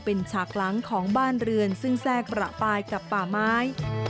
เป็นฉากหลังของบ้านเรือนซึ่งแทรกประปายกับป่าไม้